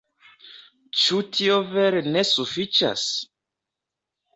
Ĉu tio vere ne sufiĉas?